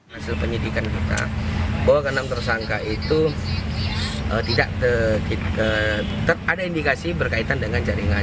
hasil penyidikan kita bahwa kenam tersangka itu tidak ada indikasi berkaitan dengan jaringan